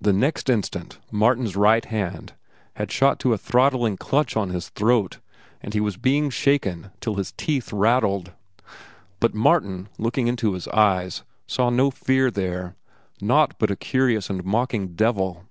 The next instant Martin's right hand had shot to a throttling clutch on his throat, and he was being shaken till his teeth rattled. But Martin, looking into his eyes, saw no fear there,—naught but a curious and mocking devil.